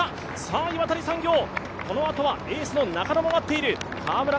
岩谷産業、このあとはエースの中野も待っている。